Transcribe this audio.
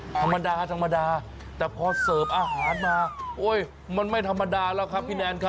ธรรมดาธรรมดาแต่พอเสิร์ฟอาหารมาโอ๊ยมันไม่ธรรมดาแล้วครับพี่แนนครับ